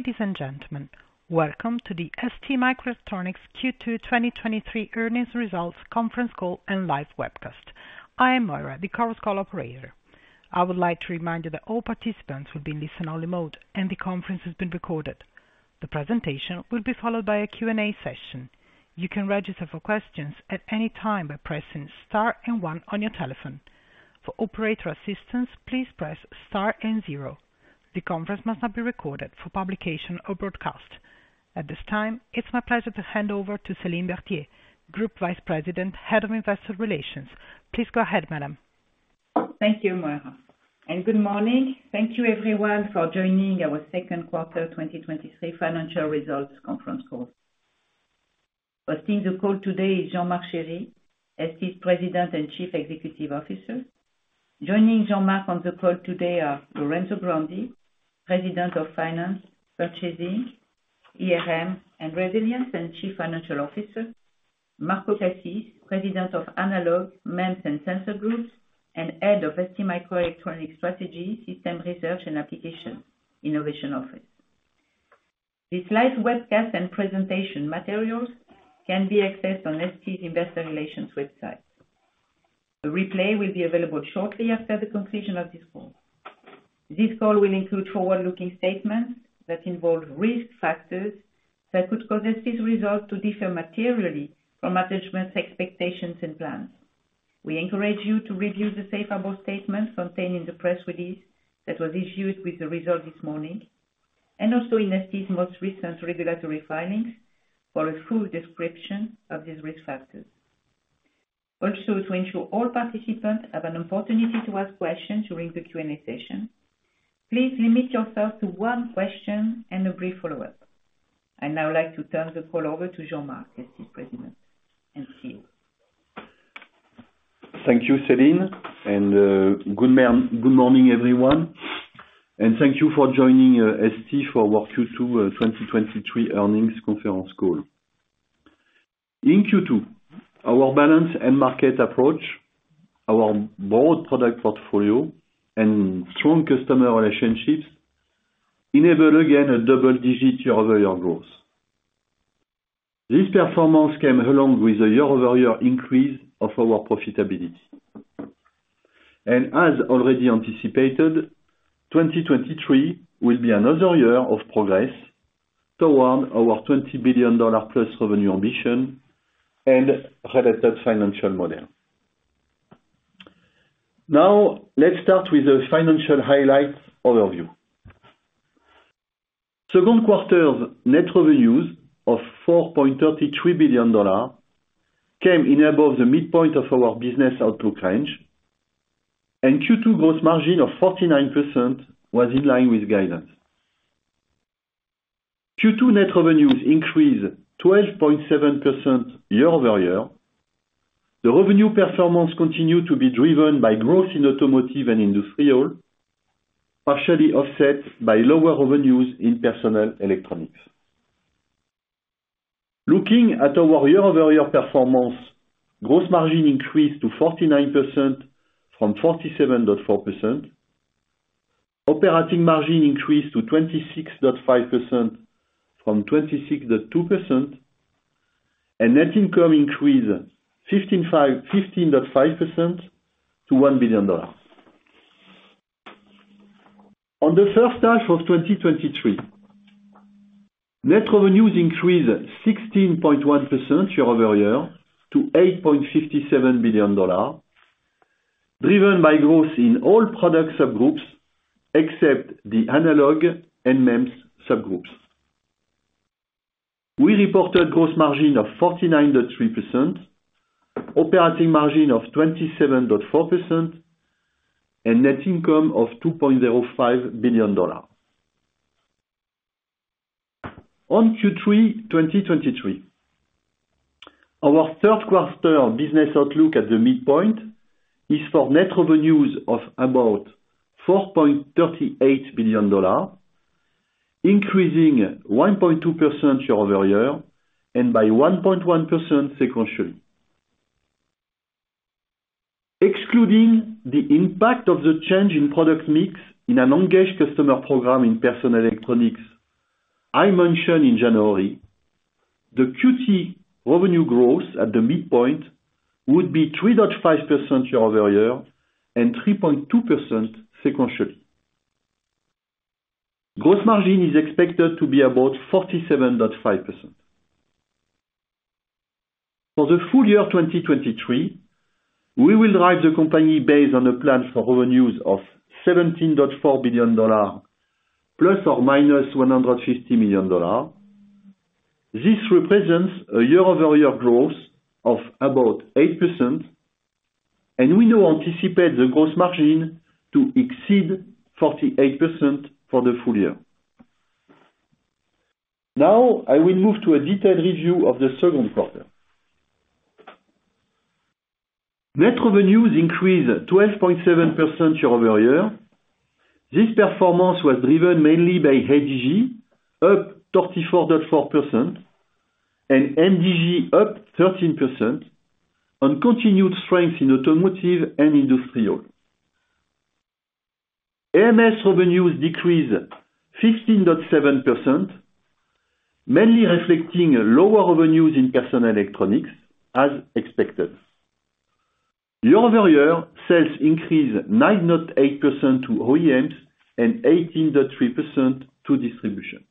Ladies and gentlemen, welcome to the STMicroelectronics Q2 2023 Earnings Results Conference Call and Live Webcast. I am Moira, the Chorus Call operator. I would like to remind you that all participants will be in listen-only mode, and the conference is being recorded. The presentation will be followed by a Q&A session. You can register for questions at any time by pressing star and one on your telephone. For operator assistance, please press star and zero. The conference must not be recorded for publication or broadcast. At this time, it's my pleasure to hand over to Celine Berthier, Group Vice President, Head of Investor Relations. Please go ahead, madam. Thank you, Moira. Good morning. Thank you everyone for joining our second quarter 2023 financial results conference call. Hosting the call today is Jean-Marc Chéry, ST President and Chief Executive Officer. Joining Jean-Marc on the call today are Lorenzo Grandi, President of Finance, Purchasing, ERM, and Resilience, and Chief Financial Officer. Marco Cassis, President of Analog, MEMS and Sensor Groups, and Head of STMicroelectronics Strategy, System Research and Application, Innovation Office. The live webcast and presentation materials can be accessed on ST's investor relations website. A replay will be available shortly after the conclusion of this call. This call will include forward-looking statements that involve risk factors that could cause ST's results to differ materially from management's expectations and plans. We encourage you to review the safe harbor statements contained in the press release that was issued with the results this morning, and also in ST's most recent regulatory filings for a full description of these risk factors. To ensure all participants have an opportunity to ask questions during the Q&A session, please limit yourself to one question and a brief follow-up. I'd now like to turn the call over to Jean-Marc, ST President and CEO. Thank you, Celine. Good morning, everyone, thank you for joining ST, for our Q2 2023 earnings conference call. In Q2, our balance and market approach, our broad product portfolio and strong customer relationships enabled again, a double-digit year-over-year growth. This performance came along with a year-over-year increase of our profitability. As already anticipated, 2023 will be another year of progress toward our $20 billion+ revenue ambition and related financial model. Let's start with the financial highlights overview. Second quarter's net revenues of $4.33 billion came in above the midpoint of our business outlook range. Q2 gross margin of 49% was in line with guidance. Q2 net revenues increased 12.7% year-over-year. The revenue performance continued to be driven by growth in automotive and industrial, partially offset by lower revenues in personal electronics. Looking at our year-over-year performance, gross margin increased to 49% from 47.4%. Operating margin increased to 26.5% from 26.2%, and net income increased 15.5% to $1 billion. On the first half of 2023, net revenues increased 16.1% year-over-year to $8.57 billion, driven by growth in all product subgroups except the analog and MEMS subgroups. We reported gross margin of 49.3%, operating margin of 27.4%, and net income of $2.05 billion. On Q3 2023, our third quarter business outlook at the midpoint is for net revenues of about $4.38 billion, increasing 1.2% year-over-year and by 1.1% sequentially. Excluding the impact of the change in product mix in an engaged customer program in personal electronics, I mentioned in January, the Q2 revenue growth at the midpoint would be 3.5% year-over-year and 3.2% sequentially. Gross margin is expected to be about 47.5%. For the full year 2023, we will drive the company based on a plan for revenues of $17.4 billion ±$150 million. This represents a year-over-year growth of about 8%, and we now anticipate the Gross margin to exceed 48% for the full year. I will move to a detailed review of the second quarter. Net revenues increased 12.7% year-over-year. This performance was driven mainly by ADG, up 34.4%, and MDG up 13%, on continued strength in automotive and industrial. AMS revenues decreased 15.7%, mainly reflecting lower revenues in personal electronics as expected. Year-over-year, sales increased 9.8% to OEMs and 18.3% to distribution.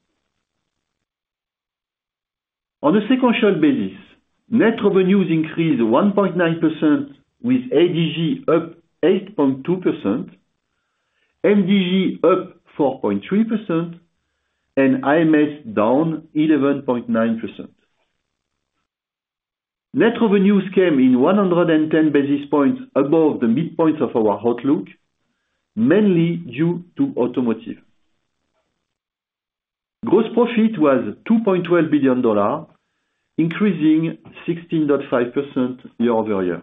On a sequential basis, net revenues increased 1.9% with ADG up 8.2%, MDG up 4.3%, and AMS down 11.9%. Net revenues came in 110 basis points above the midpoints of our outlook, mainly due to automotive. Gross profit was $2.12 billion, increasing 16.5% year-over-year.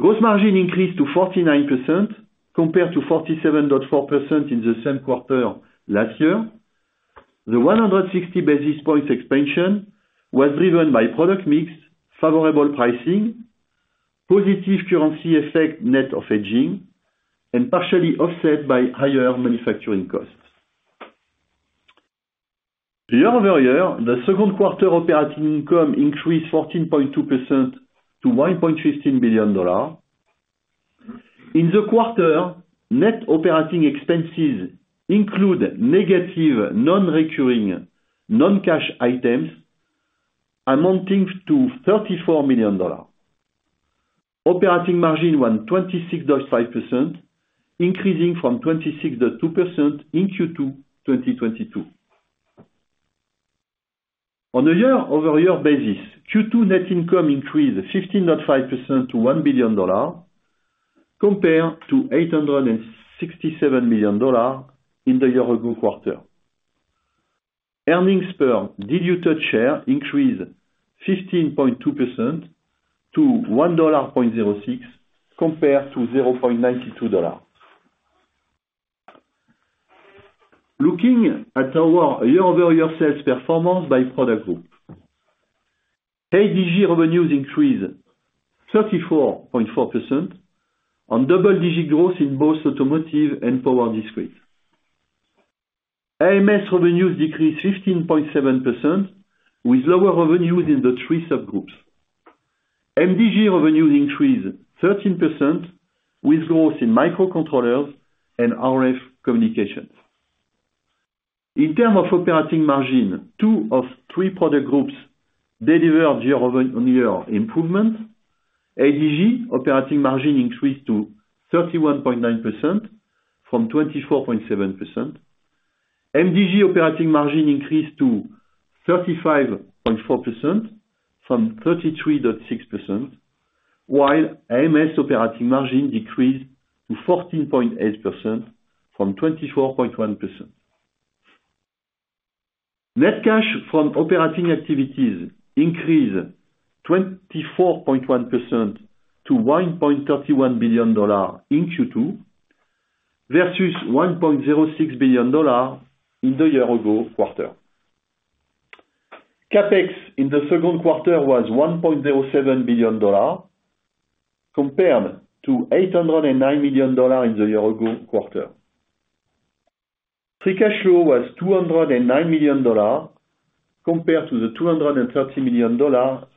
Gross margin increased to 49% compared to 47.4% in the same quarter last year. The 160 basis points expansion was driven by product mix, favorable pricing, positive currency effect net of hedging, and partially offset by higher manufacturing costs. Year-over-year, the second quarter operating income increased 14.2% to $1.15 billion. In the quarter, net operating expenses include negative, non-recurring, non-cash items amounting to $34 million. Operating margin was 26.5%, increasing from 26.2% in Q2 2022. On a year-over-year basis, Q2 net income increased 15.5% to $1 billion, compared to $867 million in the year ago quarter. Earnings per diluted share increased 15.2% to $1.06, compared to $0.92. Looking at our year-over-year sales performance by product group. ADG revenues increased 34.4% on double-digit growth in both automotive and power discrete. AMS revenues decreased 15.7%, with lower revenues in the three subgroups. MDG revenues increased 13% with growth in microcontrollers and RF communications. In terms of operating margin, two of three product groups delivered year-over-year improvement. ADG operating margin increased to 31.9% from 24.7%. MDG operating margin increased to 35.4% from 33.6%, while AMS operating margin decreased to 14.8% from 24.1%. Net cash from operating activities increased 24.1% to $1.31 billion in Q2, versus $1.06 billion in the year ago quarter. CapEx in the second quarter was $1.07 billion, compared to $809 million in the year-ago quarter. Free cash flow was $209 million, compared to the $230 million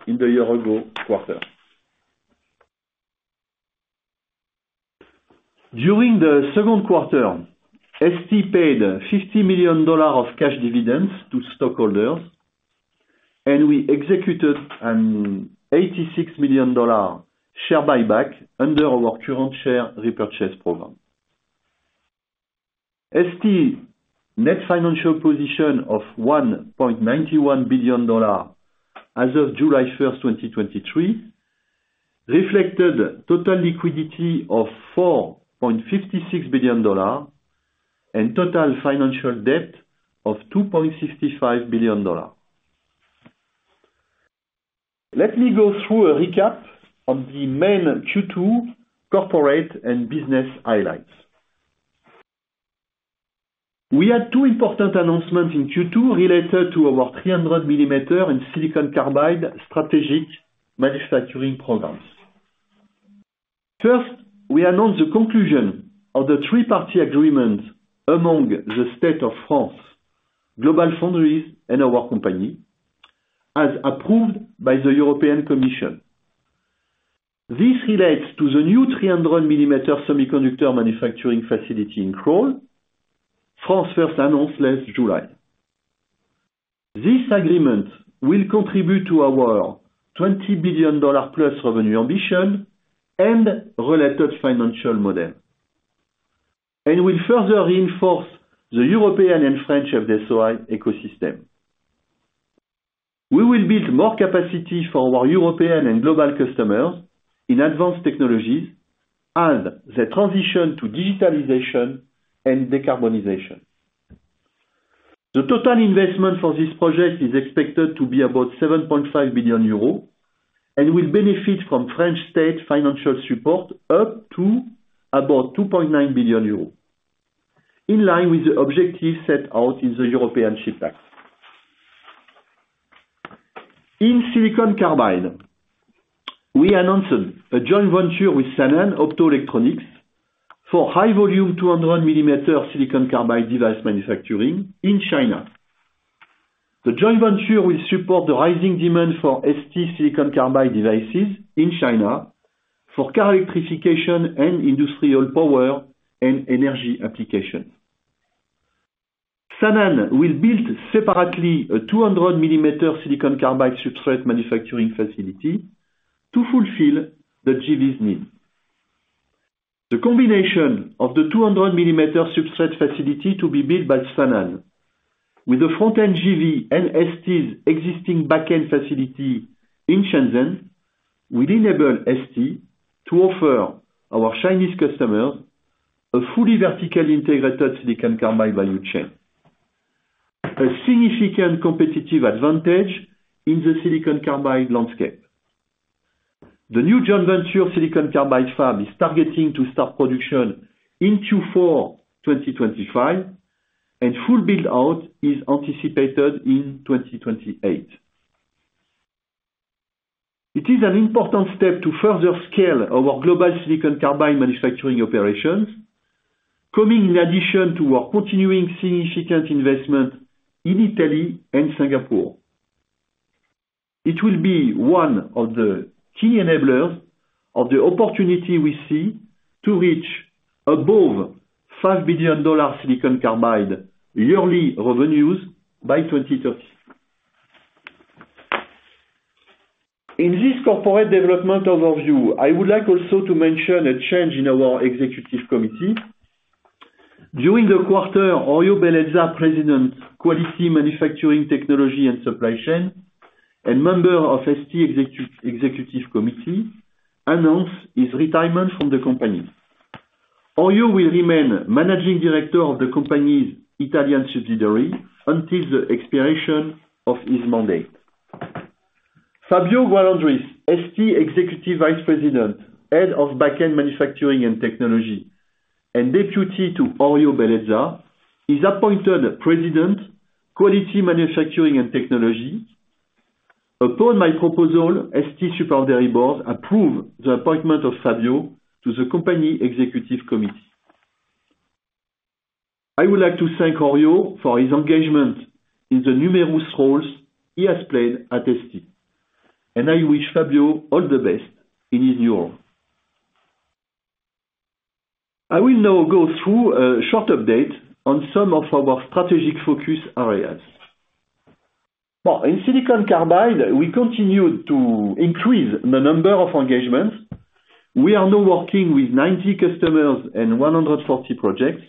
in the year-ago quarter. During the second quarter, ST paid $50 million of cash dividends to stockholders, we executed $86 million share buyback under our current share repurchase program. ST net financial position of $1.91 billion as of July 1, 2023, reflected total liquidity of $4.56 billion and total financial debt of $2.65 billion. Let me go through a recap of the main Q2 corporate and business highlights. We had two important announcements in Q2 related to our 300 millimeter in Silicon Carbide strategic manufacturing programs. First, we announced the conclusion of the three-party agreement among the state of France, GlobalFoundries, and our company, as approved by the European Commission. This relates to the new 300 millimeter semiconductor manufacturing facility in Crolles, France first announced last July. This agreement will contribute to our $20 billion+ revenue ambition and related financial model, will further reinforce the European and French SOI ecosystem. We will build more capacity for our European and global customers in advanced technologies and the transition to digitalization and decarbonization. The total investment for this project is expected to be about 7.5 billion euros, will benefit from French state financial support up to about 2.9 billion euros, in line with the objectives set out in the European Chips Act. In Silicon Carbide, we announced a joint venture with Sanan Optoelectronics for high volume, 200 millimeter Silicon Carbide device manufacturing in China. The joint venture will support the rising demand for ST Silicon Carbide devices in China for car electrification and industrial power and energy applications. Sanan will build separately a 200 millimeter Silicon Carbide substrate manufacturing facility to fulfill the JV's need. The combination of the 200 millimeter substrate facility to be built by Sanan, with the front-end JV and ST's existing back-end facility in Shenzhen, will enable ST to offer our Chinese customers a fully vertically integrated Silicon Carbide value chain, a significant competitive advantage in the Silicon Carbide landscape. The new joint venture Silicon Carbide fab is targeting to start production in Q4 2025, and full build-out is anticipated in 2028. It is an important step to further scale our global Silicon Carbide manufacturing operations, coming in addition to our continuing significant investment in Italy and Singapore. It will be one of the key enablers of the opportunity we see to reach above $5 billion Silicon Carbide yearly revenues by 2030. In this corporate development overview, I would like also to mention a change in our Executive Committee. During the quarter, Orio Bellezza, President, Technology, Manufacturing, Quality and Supply chain, and member of ST Executive Committee, announced his retirement from the company. Orio will remain Managing Director of the company's Italian subsidiary until the expiration of his mandate. Fabio Gualandris, ST Executive Vice President, Head of Backend Manufacturing and Technology, and Deputy to Orio Bellezza, is appointed President, Quality, Manufacturing, and Technology. Upon my proposal, ST Supervisory Board approved the appointment of Fabio to the company Executive Committee. I would like to thank Orio for his engagement in the numerous roles he has played at ST, and I wish Fabio all the best in his new role. I will now go through a short update on some of our strategic focus areas. In Silicon Carbide, we continue to increase the number of engagements. We are now working with 90 customers and 140 projects.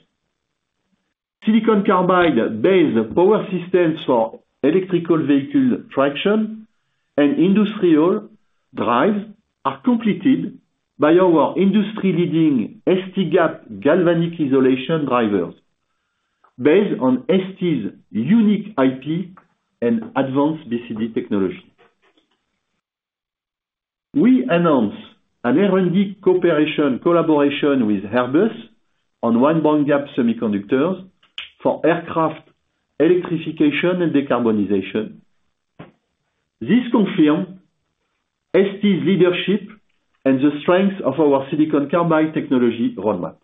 Silicon Carbide-based power systems for electrical vehicle traction and industrial drives are completed by our industry-leading STGAP galvanic isolation drivers, based on ST's unique IP and advanced BCD technology. We announced an R&D cooperation collaboration with Airbus on wide bandgap semiconductors for aircraft electrification and decarbonization. This confirms ST's leadership and the strength of our Silicon Carbide technology roadmap.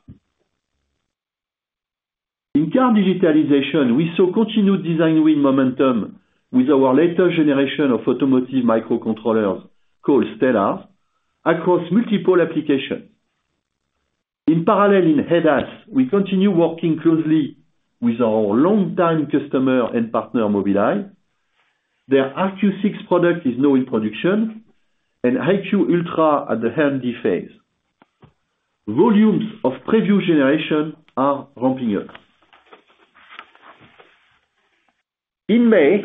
In car digitalization, we saw continued design win momentum with our latest generation of automotive microcontrollers, called Stellar, across multiple applications. In parallel, in head ADAS, we continue working closely with our long-time customer and partner, Mobileye. Their EyeQ6 product is now in production, and EyeQ Ultra at the handy phase. Volumes of previous generation are ramping up. In May,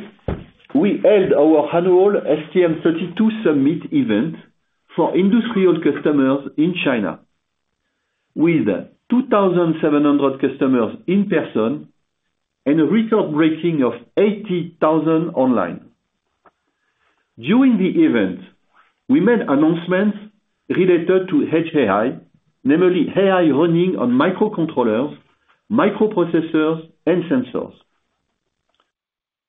we held our annual STM32 Summit event for industrial customers in China, with 2,700 customers in person and a record-breaking of 80,000 online. During the event, we made announcements related to Edge AI, namely AI running on microcontrollers, microprocessors, and sensors.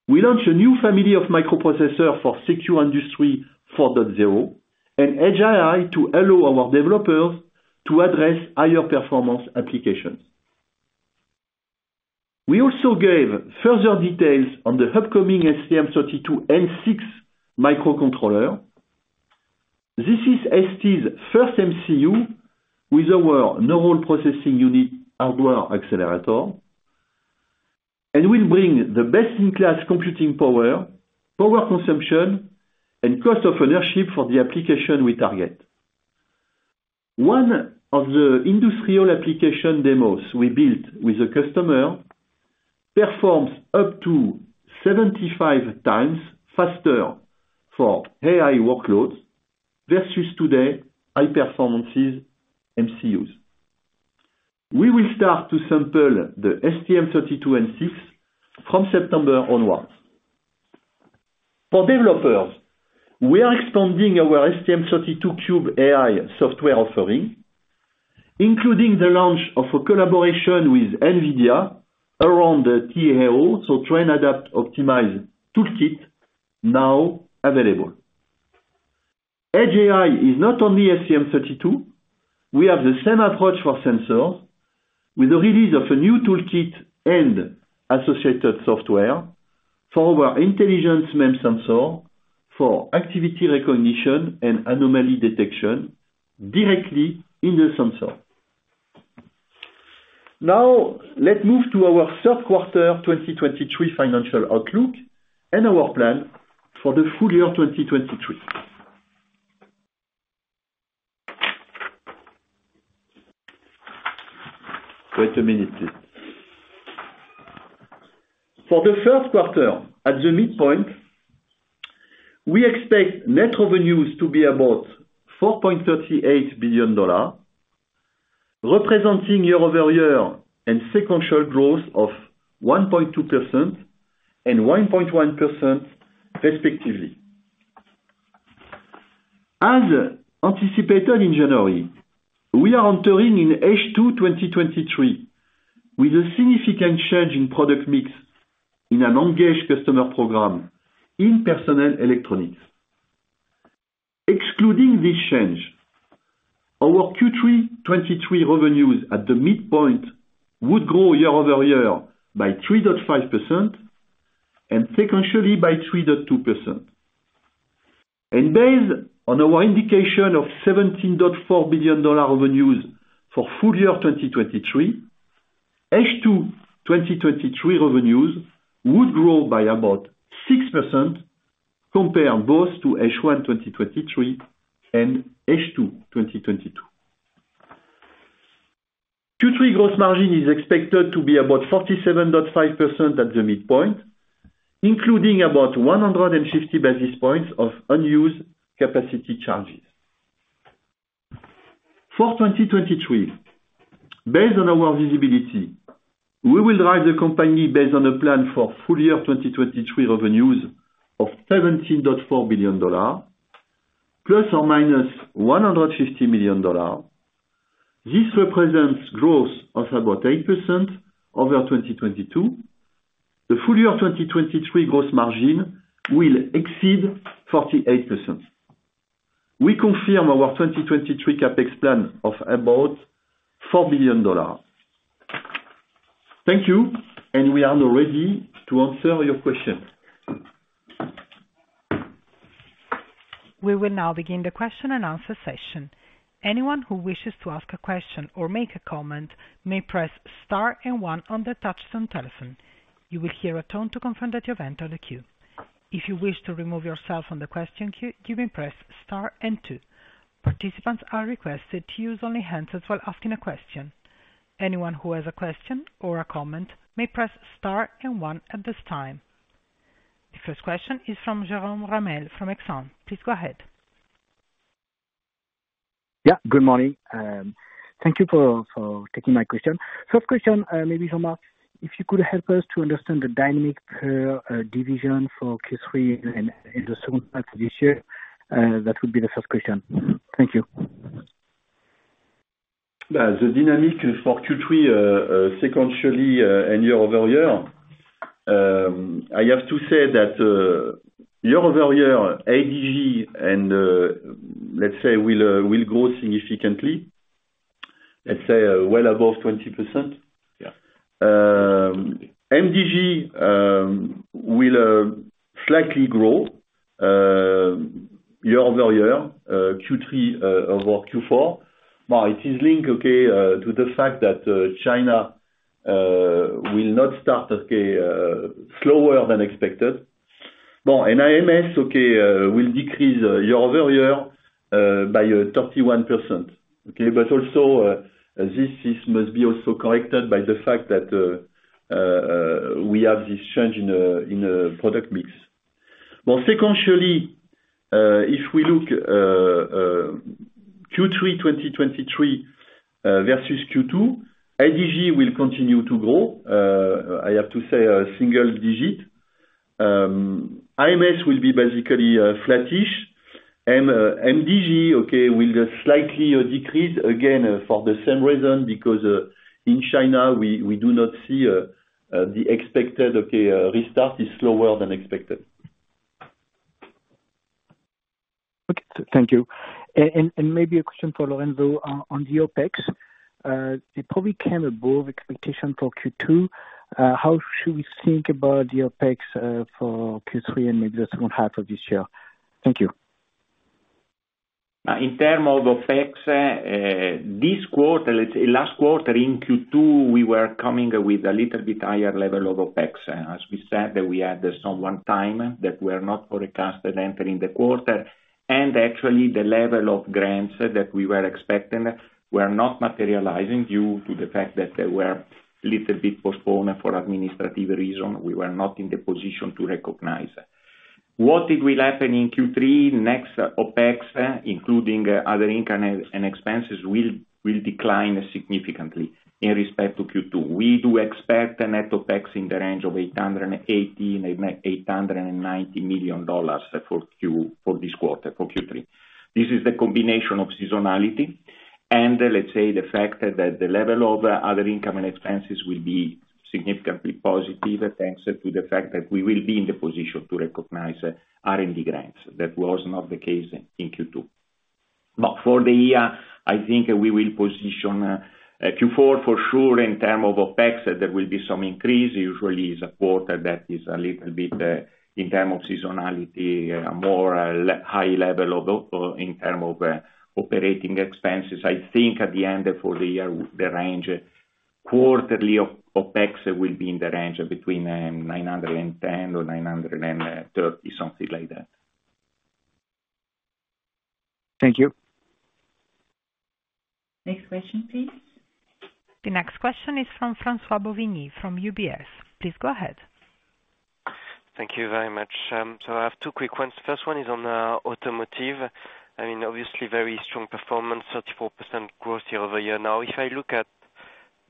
We launched a new family of microprocessor for secure Industry 4.0 and Edge AI to allow our developers to address higher performance applications. We also gave further details on the upcoming STM32N6 microcontroller. This is ST's first MCU with our Neural Processing Unit hardware accelerator, and will bring the best-in-class computing power consumption, and cost of ownership for the application we target. One of the industrial application demos we built with the customer performs up to 75 times faster for AI workloads versus today high performances MCUs. We will start to sample the STM32N6 from September onwards. For developers, we are expanding our STM32Cube.AI software offering, including the launch of a collaboration with NVIDIA around the TAO, so train, adapt, optimize toolkit, now available. Edge AI is not only STM32, we have the same approach for sensor, with the release of a new toolkit and associated software for our intelligence MEMS sensor, for activity recognition and anomaly detection directly in the sensor. Let's move to our third quarter 2023 financial outlook and our plan for the full year 2023. Wait a minute, please. For the first quarter, at the midpoint, we expect net revenues to be about $4.38 billion, representing year-over-year and sequential growth of 1.2% and 1.1% respectively. As anticipated in January, we are entering in H2 2023 with a significant change in product mix in an engaged customer program in personal electronics. Excluding this change, our Q3 2023 revenues at the midpoint would grow year-over-year by 3.5% and sequentially by 3.2%. Based on our indication of $17.4 billion revenues for full year 2023, H2 2023 revenues would grow by about 6% compared both to H1 2023 and H2 2022. Q3 gross margin is expected to be about 47.5% at the midpoint, including about 150 basis points of unused capacity charges. For 2023, based on our visibility, we will drive the company based on a plan for full year 2023 revenues of $17.4 billion, ±$150 million. This represents growth of about 8% over 2022. The full year 2023 gross margin will exceed 48%. We confirm our 2023 CapEx plan of about $4 billion. Thank you. We are now ready to answer your questions. We will now begin the question and answer session. Anyone who wishes to ask a question or make a comment, may press star and one on their touchtone telephone. You will hear a tone to confirm that you have entered the queue. If you wish to remove yourself from the question queue, you may press star and two. Participants are requested to use only hands while asking a question. Anyone who has a question or a comment may press star and one at this time. The first question is from Jerome Ramel from Exane. Please go ahead. Good morning. Thank you for taking my question. First question, maybe Jean-Marc, if you could help us to understand the dynamic per division for Q3 and the second half of this year, that would be the first question. Thank you. The dynamic for Q3, sequentially, and year-over-year, I have to say that year-over-year, ADG will grow significantly, well above 20%. Yeah. MDG will slightly grow year-over-year, Q3 over Q4. It is linked, okay, to the fact that China will not start, okay, slower than expected. AMS, okay, will decrease year-over-year by 31%. Also, this must be also corrected by the fact that we have this change in product mix. Sequentially, if we look Q3 2023 versus Q2, ADG will continue to grow. I have to say, single digit. AMS will be basically flattish and MDG, okay, will slightly decrease, again, for the same reason, because in China, we do not see the expected, okay, restart is slower than expected. Okay. Thank you. Maybe a question for Lorenzo on the OpEx. It probably came above expectation for Q2. How should we think about the OpEx for Q3 and maybe the second half of this year? Thank you. In term of OpEx, let's say last quarter, in Q2, we were coming with a little bit higher level of OpEx. As we said, that we had some one time, that we are not forecasted entering the quarter, and actually the level of grants that we were expecting, were not materializing due to the fact that they were little bit postponed for administrative reason. We were not in the position to recognize. What it will happen in Q3? Next OpEx, including other income and expenses will decline significantly in respect to Q2. We do expect the net OpEx in the range of $880 million-$890 million for this quarter, for Q3. This is the combination of seasonality... Let's say, the fact that the level of other income and expenses will be significantly positive, thanks to the fact that we will be in the position to recognize R&D grants. That was not the case in Q2. For the year, I think we will position Q4 for sure in term of OpEx, there will be some increase. Usually, it's a quarter that is a little bit in term of seasonality, a more high level of in term of operating expenses. I think at the end of the year, the range quarterly of OpEx will be in the range between $910 million or $930 million, something like that. Thank you. Next question, please. The next question is from Francois-Xavier Bouvignies from UBS. Please, go ahead. Thank you very much. I have two quick ones. First one is on automotive. I mean, obviously, very strong performance, 34% growth year-over-year. If I look at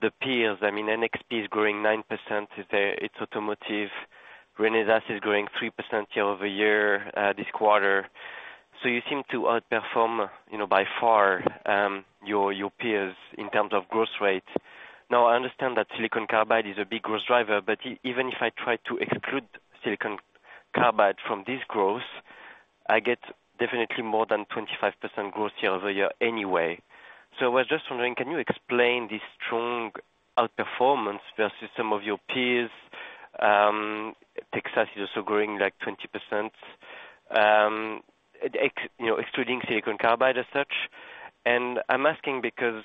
the peers, I mean, NXP is growing 9%, its automotive. Renesas is growing 3% year-over-year this quarter. You seem to outperform, you know, by far, your peers in terms of growth rate. I understand that Silicon Carbide is a big growth driver, even if I try to exclude Silicon Carbide from this growth, I get definitely more than 25% growth year-over-year anyway. I was just wondering, can you explain this strong outperformance versus some of your peers? Texas is also growing, like, 20%, you know, excluding Silicon Carbide as such. I'm asking because,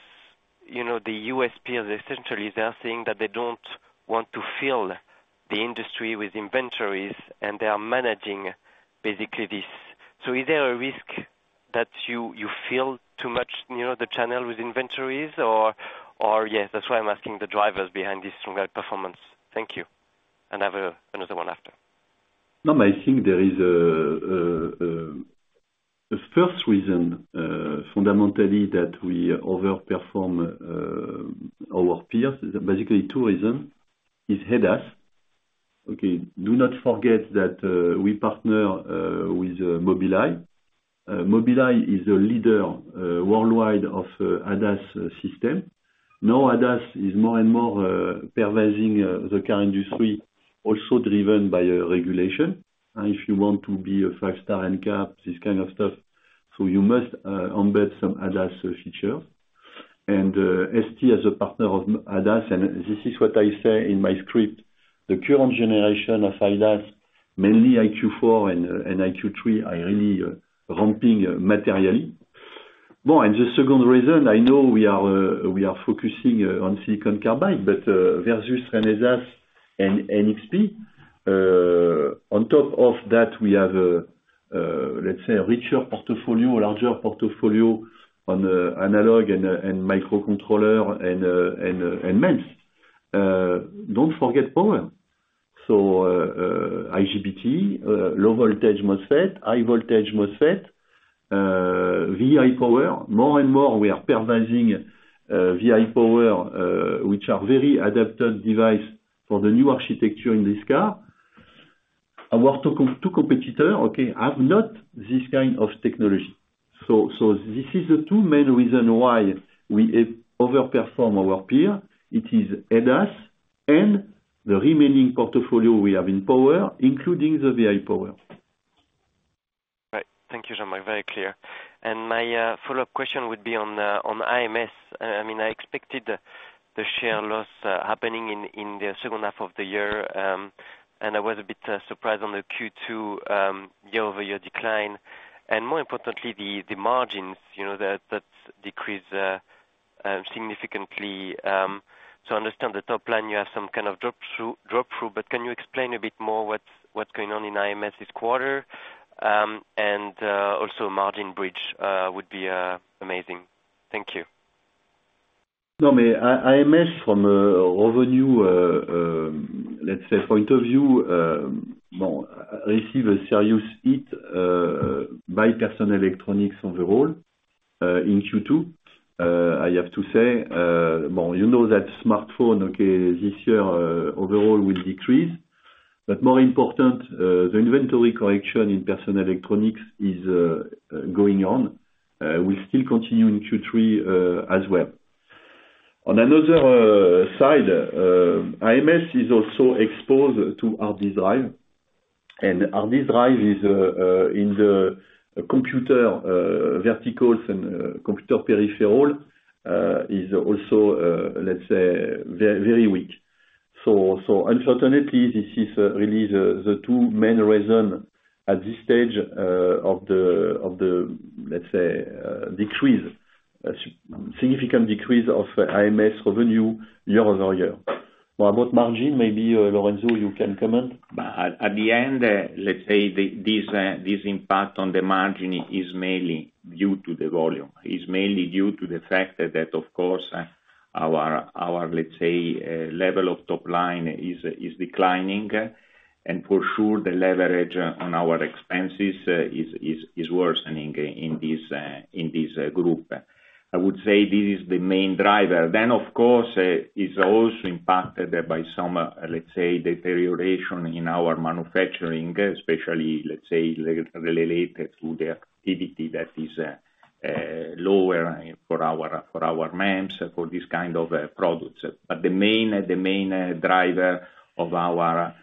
you know, the U.S. peers, essentially, they are saying that they don't want to fill the industry with inventories, and they are managing basically this. Is there a risk that you fill too much, you know, the channel with inventories or yeah, that's why I'm asking the drivers behind this strong outperformance. Thank you. I have another one after. No, I think there is The first reason, fundamentally, that we overperform our peers, basically two reason, is ADAS. Do not forget that we partner with Mobileye. Mobileye is a leader worldwide of ADAS system. ADAS is more and more pervading the car industry, also driven by a regulation. If you want to be a five-star NCAP, this kind of stuff, so you must embed some ADAS feature. ST as a partner of ADAS, and this is what I say in my script, the current generation of ADAS, mainly EyeQ4 and EyeQ3, are really ramping materially. The second reason, I know we are focusing on Silicon Carbide, versus Renesas and NXP, on top of that, we have a richer portfolio, larger portfolio on the analog and microcontroller and MEMS. Don't forget power. IGBT, low voltage MOSFET, high voltage MOSFET, ViPower. More and more, we are pervading ViPower, which are very adapted device for the new architecture in this car. Our two competitors have not this kind of technology. This is the two main reasons why we overperform our peer. It is ADAS and the remaining portfolio we have in power, including the VIPower. Right. Thank you, Jean-Marc, very clear. My follow-up question would be on AMS. I mean, I expected the share loss happening in the second half of the year, and I was a bit surprised on the Q2 year-over-year decline. More importantly, the margins, you know, that decreased significantly. I understand the top line, you have some kind of drop through, but can you explain a bit more what's going on in AMS this quarter? Also margin bridge would be amazing. Thank you. No, but AMS from a revenue, let's say, point of view, well, receive a serious hit by personal electronics overall, in Q2. I have to say, you know that smartphone, okay, this year, overall will decrease. More important, the inventory correction in personal electronics is going on, will still continue in Q3, as well. On another side, AMS is also exposed to hard drive, and hard drive is in the computer verticals and computer peripheral is also, let's say, very, very weak. Unfortunately, this is really the two main reason at this stage of the, let's say, decrease, significant decrease of AMS revenue year-over-year. About margin, maybe, Lorenzo, you can comment? At the end, this impact on the margin is mainly due to the volume, is mainly due to the fact that, of course, our level of top line is declining, and for sure the leverage on our expenses is worsening in this group. I would say this is the main driver. Of course, it's also impacted by some deterioration in our manufacturing, especially related to the activity that is lower for our MEMS, for this kind of products. The main driver of our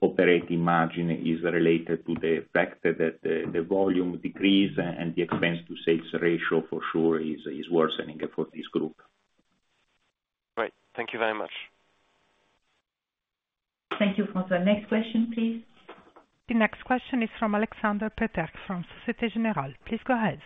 operating margin is related to the fact that the volume decrease and the expense to sales ratio for sure is worsening for this group. Great, thank you very much. Thank you, for the next question, please? The next question is from Aleksander Peterc from Societe Generale. Please go ahead.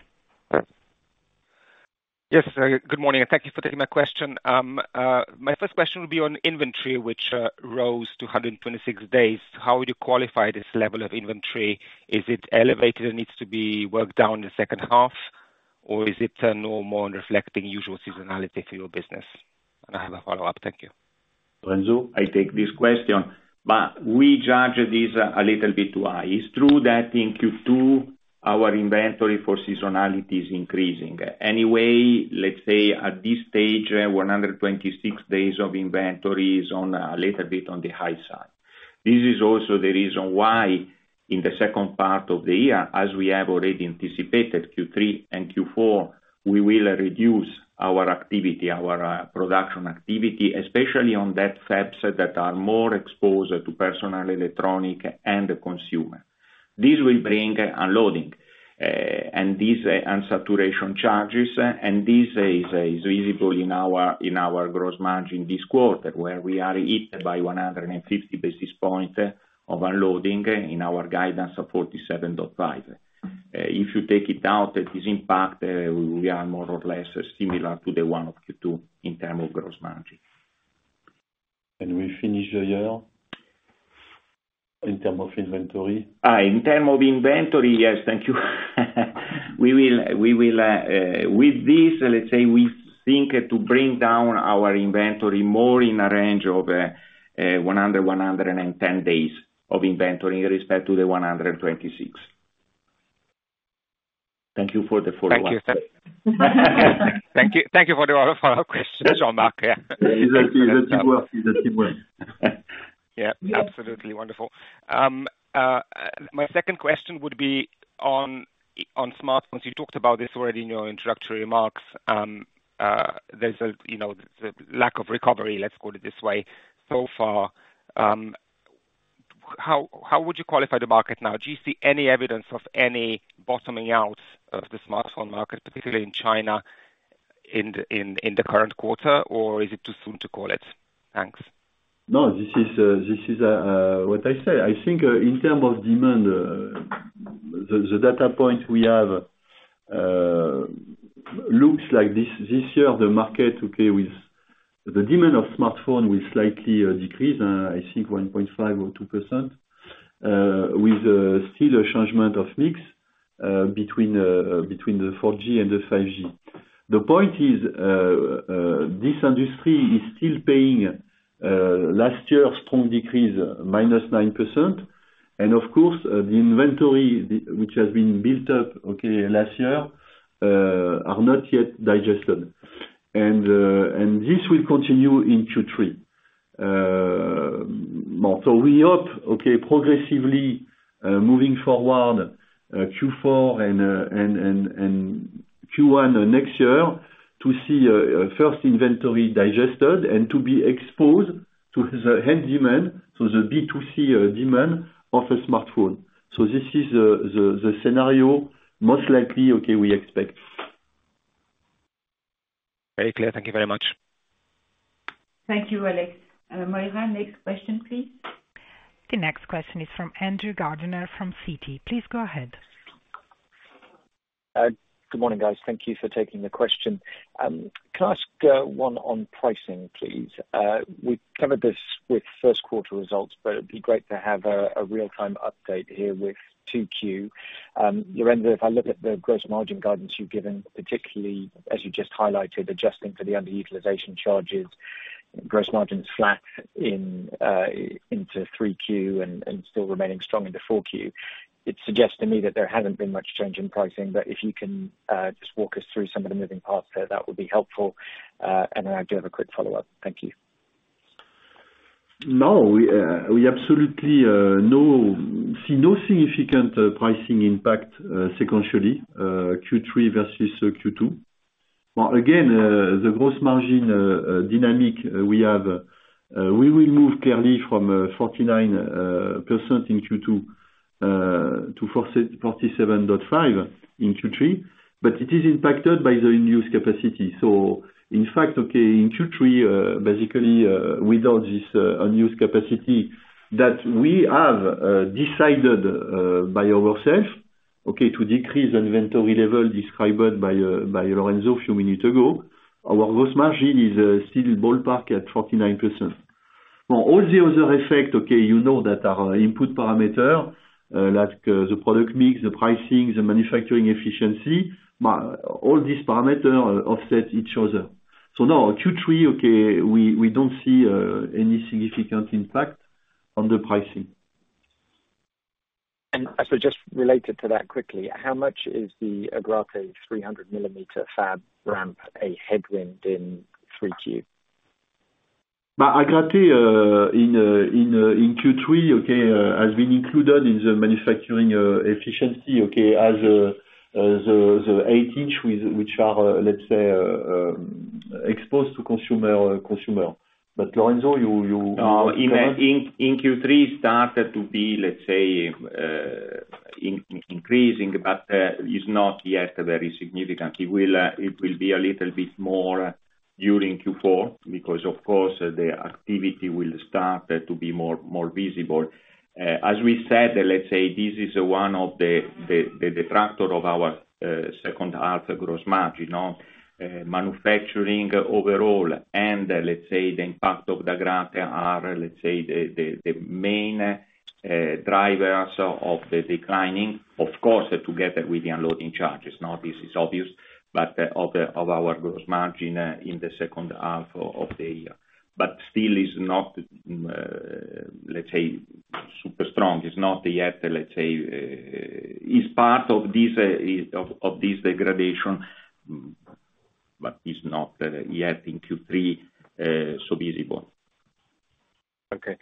Yes, good morning, thank you for taking my question. My first question will be on inventory, which rose to 126 days. How would you qualify this level of inventory? Is it elevated and needs to be worked down the second half? Is it normal and reflecting usual seasonality for your business? I have a follow-up. Thank you. Lorenzo, I take this question, but we judge this a little bit too high. It's true that in Q2, our inventory for seasonality is increasing. Let's say at this stage, 126 days of inventory is on a little bit on the high side. This is also the reason why, in the second part of the year, as we have already anticipated, Q3 and Q4, we will reduce our activity, our production activity, especially on that fab set that are more exposed to personal electronic and the consumer. This will bring unloading, and this, and saturation charges, and this is visible in our, in our gross margin this quarter, where we are hit by 150 basis point of unloading in our guidance of 47.5. If you take it down, that is impact, we are more or less similar to the one of Q2 in term of gross margin. We finish the year in term of inventory? In term of inventory, Yes, thank you. We will, with this, let's say, we think to bring down our inventory more in a range of 100-110 days of inventory in respect to the 126. Thank you for the follow-up. Thank you. Thank you for the follow-up question, Jean-Marc. It's okay, it's a good way. Yeah, absolutely. Wonderful. My second question would be on smartphones. You talked about this already in your introductory remarks. There's a, you know, the lack of recovery, let's call it this way, so far. How would you qualify the market now? Do you see any evidence of any bottoming out of the smartphone market, particularly in China, in the current quarter, or is it too soon to call it? Thanks. No, this is what I say. I think, in terms of demand, the data point we have, looks like this year, the market, okay, with the demand of smartphone will slightly decrease, I think 1.5% or 2%, with still a judgment of mix, between the 4G and 5G. The point is, this industry is still paying last year's strong decrease -9%, and of course, the inventory which has been built up, okay, last year, are not yet digested. This will continue in Q3. We hope, okay, progressively, moving forward, Q4 and Q1 next year, to see first inventory digested and to be exposed to the end demand, to the B2C demand of a smartphone. This is the scenario, most likely, okay, we expect. Very clear. Thank you very much. Thank you, Alex. Moira, next question, please. The next question is from Andrew Gardiner, from Citi. Please go ahead. Good morning, guys. Thank you for taking the question. Can I ask one on pricing, please? We covered this with first quarter results, but it'd be great to have a real-time update here with 2Q. Lorenzo, if I look at the gross margin guidance you've given, particularly as you just highlighted, adjusting for the underutilization charges, gross margin's flat into 3Q and still remaining strong into 4Q. It suggests to me that there hasn't been much change in pricing, but if you can just walk us through some of the moving parts there, that would be helpful, and then I do have a quick follow-up. Thank you. No, we absolutely see no significant pricing impact sequentially Q3 versus Q2. Again, the gross margin dynamic we have, we will move clearly from 49% in Q2 to 47.5% in Q3, but it is impacted by the in-use capacity. In fact, in Q3, basically, without this unused capacity that we have decided by ourselves to decrease inventory level described by Lorenzo a few minutes ago, our gross margin is still ballpark at 49%. All the other effect, you know that our input parameter like the product mix, the pricing, the manufacturing efficiency, all these parameter offset each other. No, Q3, we don't see any significant impact on the pricing. Just related to that quickly, how much is the Agrate 300 millimeter fab ramp a headwind in 3Q? Ma, Agrate, in, in Q3, okay, has been included in the manufacturing, efficiency, okay? As the 8-inch, which are, let's say, exposed to consumer. Lorenzo, you. In Q3, started to be, let's say, increasing, but is not yet very significant. It will be a little bit more during Q4, because of course, the activity will start to be more visible. As we said, let's say this is one of the attractor of our second half gross margin, you know. Manufacturing overall, and let's say the impact of the Agrate are, let's say, the main drivers of the declining, of course, together with the unloading charges. This is obvious, but of our gross margin in the second half of the year. Still is not, let's say, super strong. It's not yet, let's say, is part of this degradation, but it's not yet in Q3 so visible. Okay.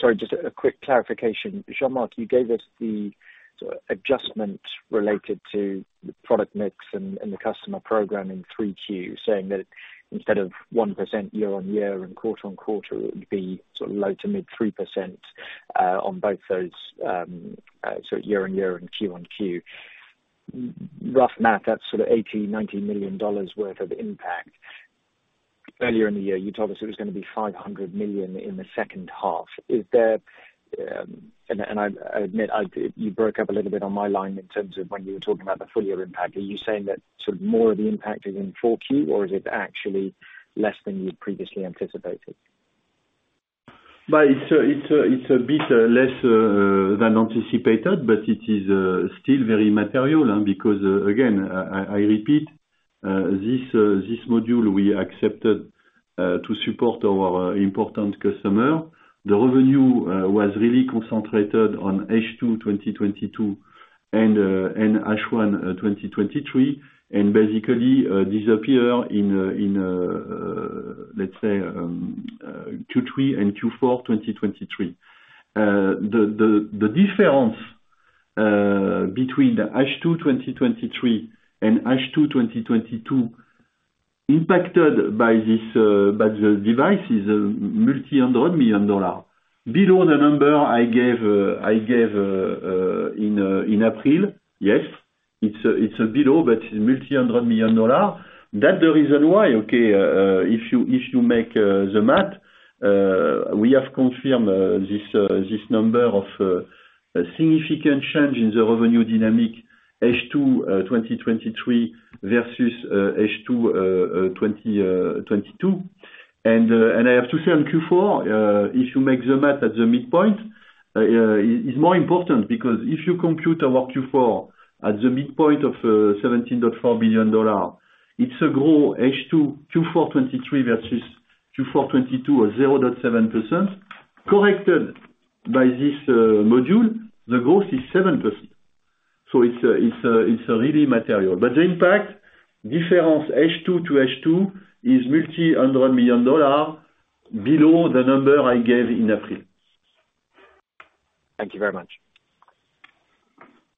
Sorry, just a quick clarification. Jean-Marc, you gave us the sort of adjustment related to the product mix and the customer program in 3Q, saying that instead of 1% year-on-year and quarter-on-quarter, it would be sort of low to mid 3% on both those, so year-on-year and Q-on-Q. Rough math, that's sort of $80 million-$90 million worth of impact. Earlier in the year, you told us it was gonna be $500 million in the second half. Is there? I admit, you broke up a little bit on my line in terms of when you were talking about the full year impact. Are you saying that sort of more of the impact is in 4Q, or is it actually less than you had previously anticipated? Well, it's a bit less than anticipated, but it is still very material, because again, I repeat, this module we accepted to support our important customer. The revenue was really concentrated on H2 2022 and H1 2023, and basically disappear in, let's say, Q3 and Q4 2023. The difference between the H2 2023 and H2 2022, impacted by this, by the device, is $multi-hundred million. Below the number I gave in April, yes, it's below, but $multi-hundred million. That's the reason why, okay, if you make the math, we have confirmed this number of significant change in the revenue dynamic H2 2023 versus H2 2022. I have to say on Q4, if you make the math at the midpoint, is more important, because if you compute our Q4 at the midpoint of $17.4 billion, it's a grow H2, Q4 2023 versus Q4 2022 or 0.7%. Corrected by this module, the growth is 7%. It's really material. The impact difference H2 to H2, is multi-hundred million dollars below the number I gave in April. Thank you very much.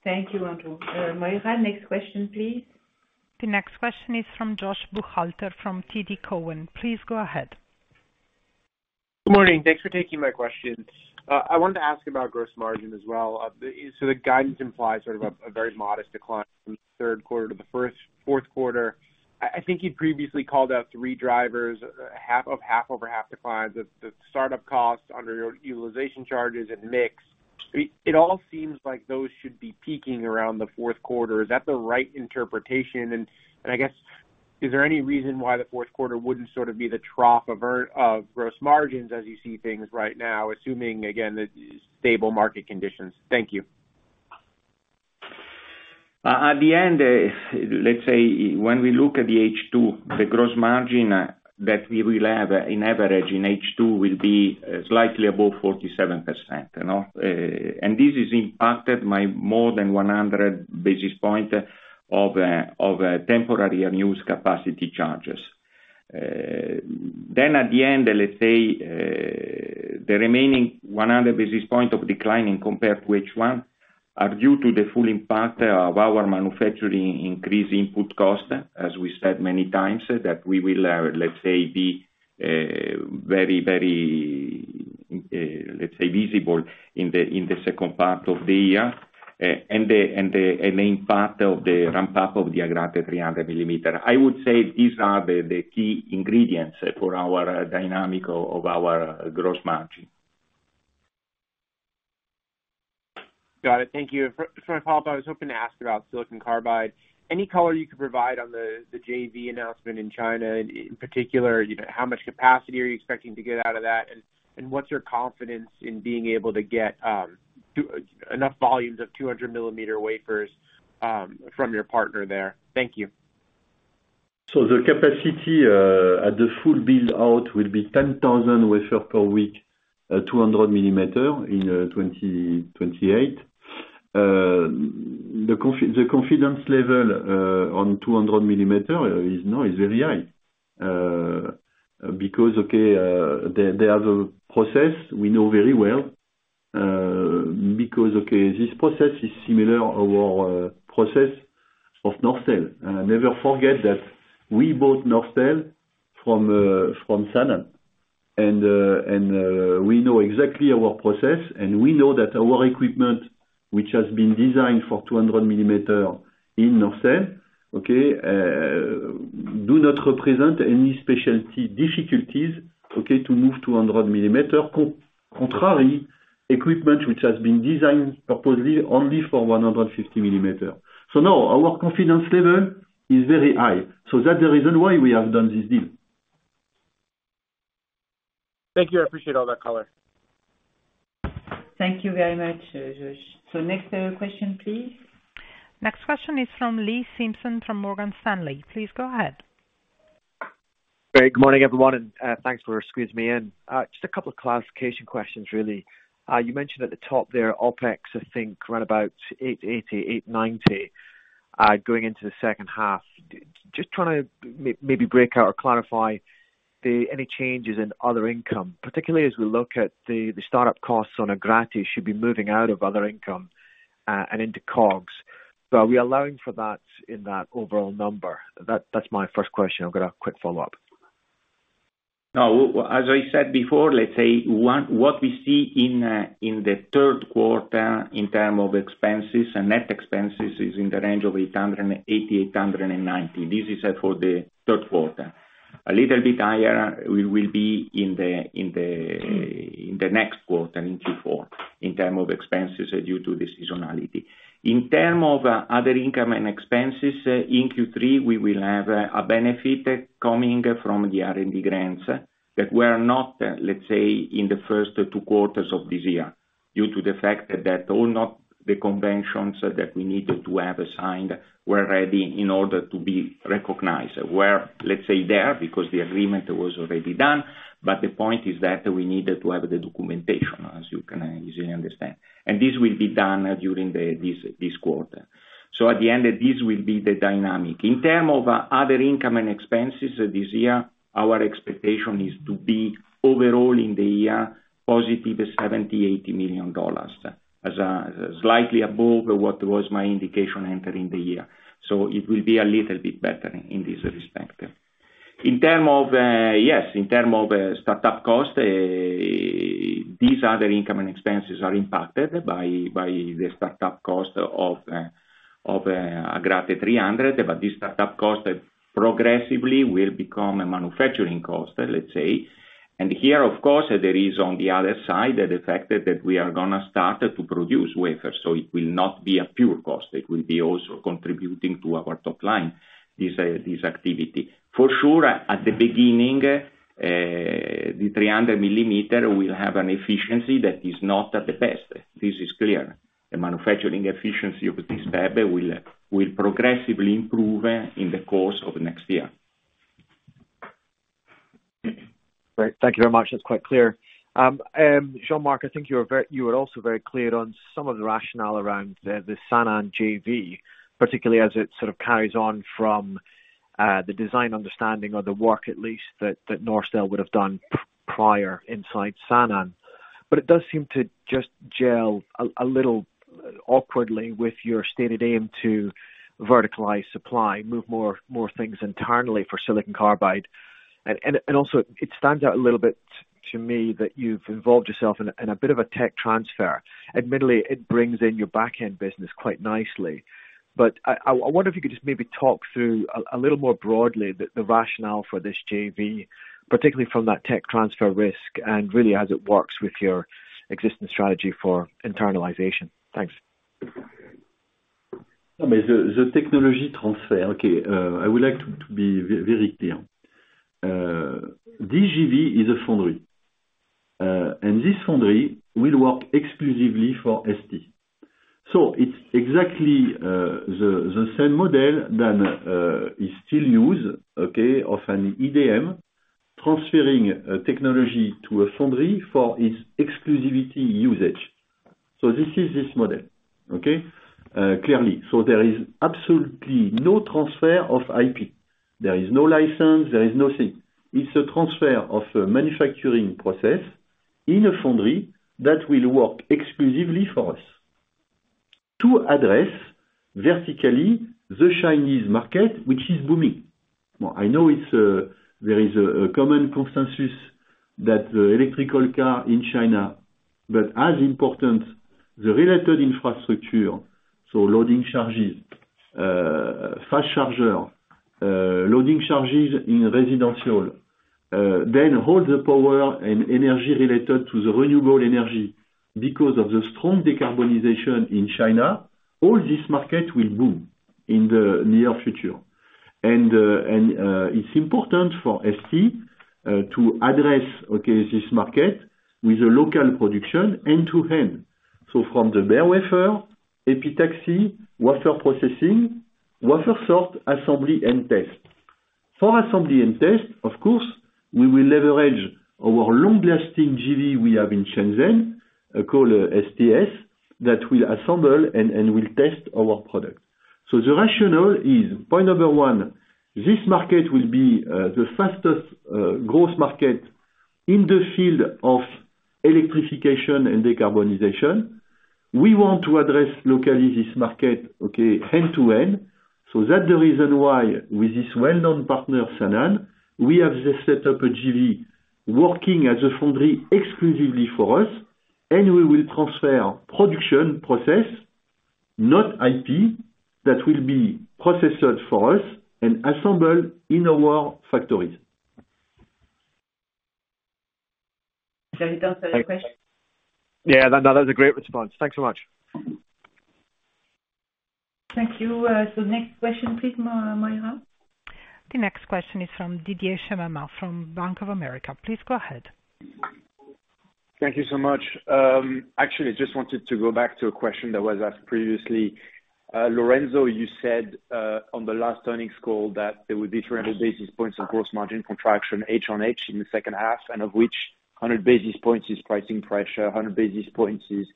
Thank you, Andrew. Moira, next question, please. The next question is from Joshua Buchalter, from TD Cowen. Please go ahead. Good morning. Thanks for taking my question. I wanted to ask about gross margin as well. The guidance implies sort of a very modest decline from the Third quarter to the Fourth quarter. I think you previously called out three drivers, half of half over half declines, the startup costs under your utilization charges and mix. It all seems like those should be peaking around the Fourth quarter. Is that the right interpretation? I guess, is there any reason why the Fourth quarter wouldn't sort of be the trough of gross margins as you see things right now, assuming, again, the stable market conditions? Thank you. At the end, when we look at the H2, the gross margin that we will have in average in H2 will be slightly above 47%, you know? This is impacted by more than 100 basis points of temporary and used capacity charges. At the end, the remaining 100 basis points of declining compared to H1, are due to the full impact of our manufacturing increase input cost, as we said many times, that we will be very visible in the second part of the year, and the main part of the ramp-up of the Agrate 300 millimeter. I would say these are the key ingredients for our dynamic of our gross margin. Got it. Thank you. For my follow-up, I was hoping to ask about Silicon Carbide. Any color you could provide on the JV announcement in China, in particular, you know, how much capacity are you expecting to get out of that? What's your confidence in being able to get enough volumes of 200 millimeter wafers from your partner there? Thank you. The capacity at the full build out will be 10,000 wafer per week, at 200 millimeter in 2028. The confidence level on 200 millimeter is now very high. Because they have a process we know very well, because this process is similar to our process of Norstel. Never forget that we bought Norstel from Sanan. We know exactly our process, and we know that our equipment, which has been designed for 200 millimeter in Norstel, do not represent any specialty difficulties to move to 100 millimeter. Contrary, equipment which has been designed purposely only for 150 millimeter. No, our confidence level is very high, that's the reason why we have done this deal. Thank you. I appreciate all that color. Thank you very much, Josh. Next, question, please. Next question is from Lee Simpson, from Morgan Stanley. Please go ahead. Great. Good morning, everyone, thanks for squeezing me in. Just a couple of classification questions, really. You mentioned at the top there, OpEx, I think right about $880, $890 going into the second half. Just trying to maybe break out or clarify the any changes in other income, particularly as we look at the startup costs on Agrate should be moving out of other income and into COGS. Are we allowing for that in that overall number? That's my first question. I've got a quick follow-up. No, as I said before, let's say, one, what we see in the third quarter in term of expenses and net expenses, is in the range of 880-890. This is for the third quarter. A little bit higher, we will be in the next quarter, in Q4, in term of expenses due to the seasonality. In term of other income and expenses, in Q3, we will have a benefit coming from the R&D grants that were not, let's say, in the first two quarters of this year, due to the fact that all not the conventions that we needed to have assigned were ready in order to be recognized. Were, let's say there, because the agreement was already done. The point is that we needed to have the documentation, as you can easily understand, and this will be done during this quarter. At the end, this will be the dynamic. In term of other income and expenses this year, our expectation is to be overall in the year, positive $70 million-$80 million, as slightly above what was my indication entering the year. It will be a little bit better in this respect. In term of startup costs, these other income and expenses are impacted by the startup cost of Agrate 300, but this startup cost progressively will become a manufacturing cost, let's say. Here, of course, there is on the other side, the fact that we are going to start to produce wafers, so it will not be a pure cost, it will be also contributing to our top line, this activity. For sure, at the beginning, the 300 millimeter will have an efficiency that is not at the best. This is clear. The manufacturing efficiency of this fab will progressively improve in the course of next year. Great. Thank you very much. That's quite clear. Jean-Marc, I think you were also very clear on some of the rationale around the Sanan JV, particularly as it sort of carries on from the design understanding or the work at least, that Norstel would have done prior inside Sanan. It does seem to just gel a little awkwardly with your stated aim to verticalize supply, move more things internally for Silicon Carbide. Also it stands out a little bit to me, that you've involved yourself in a bit of a tech transfer. Admittedly, it brings in your backend business quite nicely. I wonder if you could just maybe talk through a little more broadly, the rationale for this JV, particularly from that tech transfer risk, and really as it works with your existing strategy for internalization. Thanks. I mean, the technology transfer. Okay, I would like to be very clear. This JV is a foundry, and this foundry will work exclusively for ST. It's exactly the same model that is still used, okay, of an OEM, transferring technology to a foundry for its exclusivity usage. This is this model, okay? Clearly, there is absolutely no transfer of IP. There is no license, there is nothing. It's a transfer of a manufacturing process in a foundry that will work exclusively for us to address vertically, the Chinese market, which is booming. Well, I know it's there is a common consensus that electrical car in China, as important, the related infrastructure, loading charges, fast charger, loading charges in residential-... Then hold the power and energy related to the renewable energy, because of the strong decarbonization in China, all this market will boom in the near future. It's important for ST to address, okay, this market with a local production, end-to-end. From the bare wafer, epitaxy, wafer processing, wafer sort, assembly, and test. For assembly and test, of course, we will leverage our long-lasting JV we have in Shenzhen, called STS, that will assemble and will test our product. The rationale is, point number one, this market will be the fastest growth market in the field of electrification and decarbonization. We want to address locally this market, okay, end-to-end, so that the reason why with this well-known partner, Sanan, we have just set up a JV, working as a foundry exclusively for us, and we will transfer production process, not IP, that will be processed for us and assembled in our factories. Does that answer the question? Yeah, that was a great response. Thanks so much. Thank you. Next question, please, Moira. The next question is from Didier Scemama, from Bank of America. Please go ahead. Thank you so much. Actually, just wanted to go back to a question that was asked previously. Lorenzo, you said on the last earnings call, that there would be 300 basis points of gross margin contraction, H-on-H, in the second half, and of which 100 basis points is pricing pressure, 100 basis points is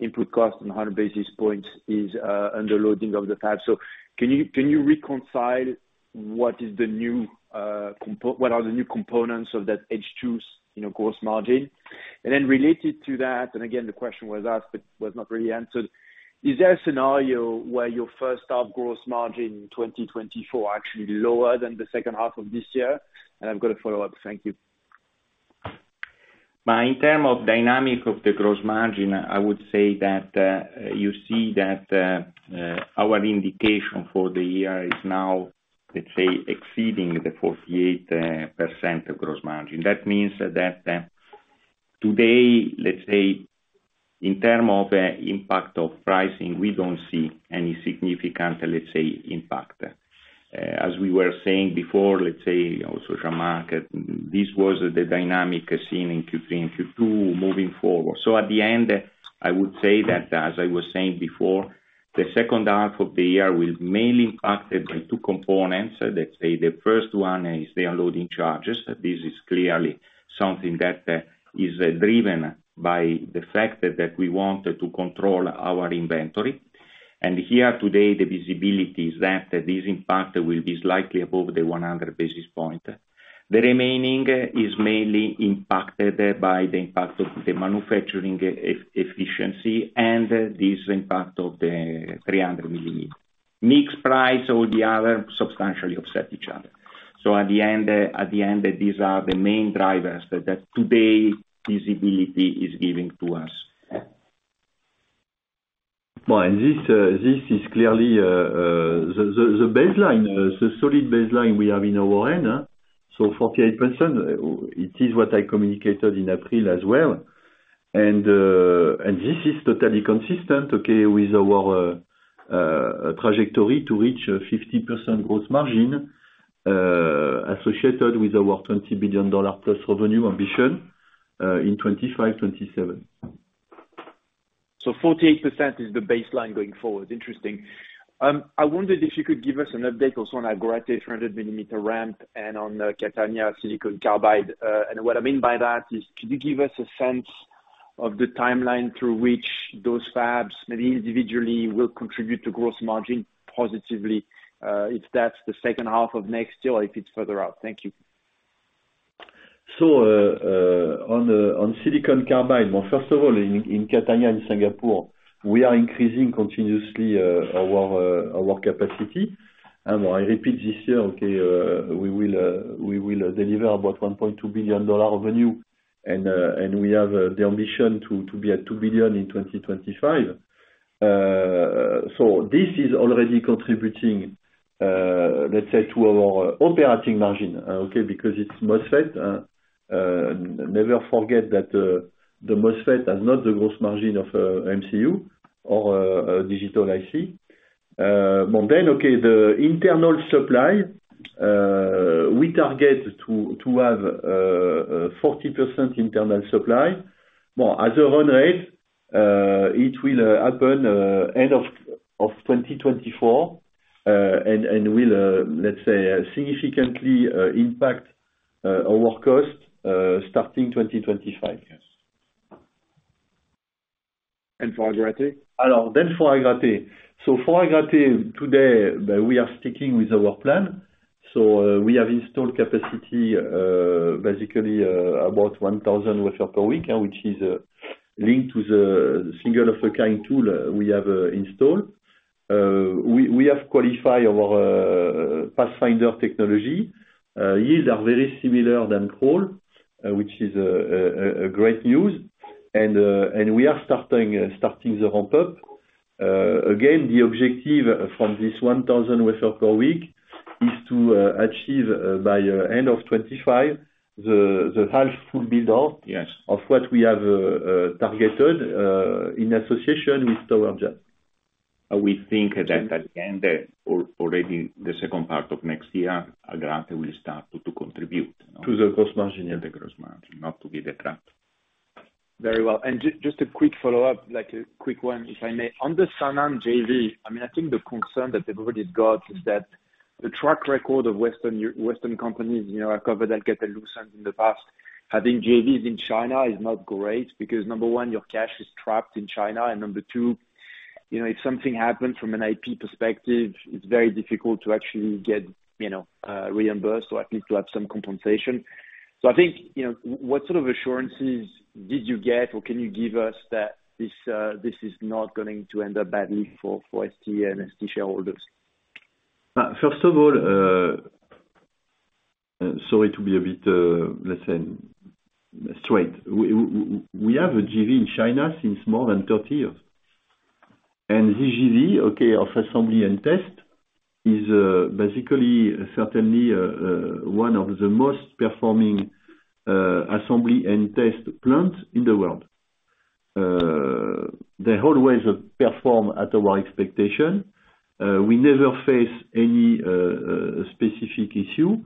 input cost, and 100 basis points is under loading of the fab. Can you reconcile what are the new components of that H2's, you know, gross margin? Then related to that, again, the question was asked but was not really answered, is there a scenario where your first half gross margin in 2024 are actually lower than the second half of this year? I've got a follow-up. Thank you. In terms of dynamic of the gross margin, I would say that you see that our indication for the year is now, let's say, exceeding the 48% of gross margin. That means that today, let's say, in terms of impact of pricing, we don't see any significant, let's say, impact. As we were saying before, let's say, our social market, this was the dynamic seen in Q3 and Q2 moving forward. At the end, I would say that, as I was saying before, the second half of the year will mainly impacted by two components. Let's say, the first one is the unloading charges. This is clearly something that is driven by the fact that we want to control our inventory. Here, today, the visibility is that this impact will be slightly above the 100 basis points. The remaining is mainly impacted by the impact of the manufacturing efficiency, and this impact of the 300 millimeter. Mixed price, all the other, substantially offset each other. At the end, these are the main drivers that today, visibility is giving to us. Well, this is clearly, the baseline, the solid baseline we have in our hand. 48%, it is what I communicated in April as well. This is totally consistent, okay, with our trajectory to reach a 50% growth margin, associated with our $20 billion plus revenue ambition, in 2025, 2027. 48% is the baseline going forward. Interesting. I wondered if you could give us an update also on our Agrate 100 millimeter ramp and on the Catania Silicon Carbide. What I mean by that is, can you give us a sense of the timeline through which those fabs, maybe individually, will contribute to gross margin positively, if that's the second half of next year, or if it's further out? Thank you. On silicon carbide, well, first of all, in Catania and Singapore, we are increasing continuously our capacity. I repeat this year, okay, we will deliver about $1.2 billion revenue, and we have the ambition to be at $2 billion in 2025. This is already contributing, let's say, to our operating margin, okay, because it's MOSFET. Never forget that the MOSFET has not the gross margin of MCU or digital IC. Okay, the internal supply, we target to have 40% internal supply. As a run rate, it will happen end of 2024, and will, let's say, significantly impact our cost, starting 2025, yes. For Agrate? For Agrate. For Agrate, today, we are sticking with our plan. We have installed capacity, basically, about 1,000 wafer per week, which is linked to the single of a kind tool we have installed. We have qualified our Pathfinder technology. Yields are very similar than hole, which is a great news, and we are starting the ramp up. again, the objective from this 1,000 wafer per week, is to achieve by end of 2025, the half full build out. Yes. of what we have targeted in association with Tower Semiconductor. We think that at the end, or already the second part of next year, Agrate will start to contribute. To the gross margin, yeah. To the gross margin, not to be the trap. Very well. Just a quick follow-up, like a quick one, if I may. On the Sanan JV, I mean, I think the concern that everybody's got is that the track record of Western companies, you know, I covered that get loosened in the past, having JVs in China is not great, because number 1, your cash is trapped in China. Number 2, you know, if something happened from an IP perspective, it's very difficult to actually get, you know, reimbursed or at least to have some compensation. I think, you know, what sort of assurances did you get, or can you give us that this is not going to end up badly for ST and ST shareholders? First of all, sorry to be a bit, let's say, straight. We have a JV in China since more than 30 years. This JV, okay, of assembly and test, is basically, certainly, one of the most performing assembly and test plants in the world. They always perform at our expectation. We never face any specific issue.